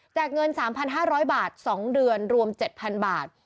เงิน๓๕๐๐บาท๒เดือนรวม๗๐๐บาท